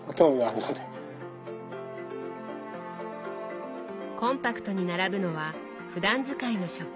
コンパクトに並ぶのはふだん使いの食器。